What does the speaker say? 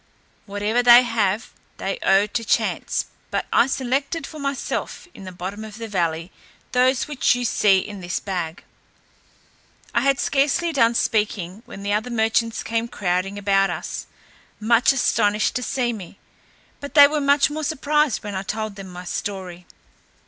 Whatever they have they owe to chance, but I selected for myself in the bottom of the valley those which you see in this bag." I had scarcely done speaking, when the other merchants came crowding about us, much astonished to see me; but they were much more surprised when I told them my story.